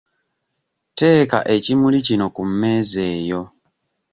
Teeka ekimuli kino ku mmeeza eyo.